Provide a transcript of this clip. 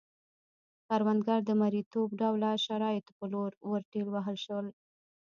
کروندګر د مریتوب ډوله شرایطو په لور ورټېل وهل شول.